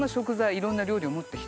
いろんな料理を持ってきた。